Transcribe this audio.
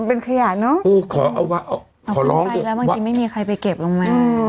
เอาขึ้นไปแล้วบางทีไม่มีใครไปเก็บลงไหม